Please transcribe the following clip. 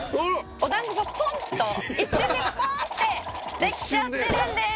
「お団子がポンッと一瞬でポンッてできちゃってるんです」